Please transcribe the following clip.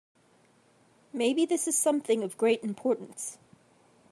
Maybe this is something of great importance.